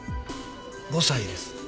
５歳です。